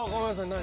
何？